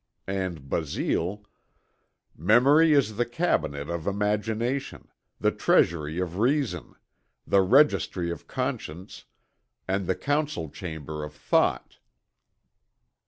And Basile: "Memory is the cabinet of imagination, the treasury of reason, the registry of conscience, and the council chamber of thought."